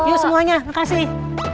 yuk semuanya makasih